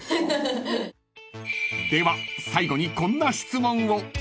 ［では最後にこんな質問を］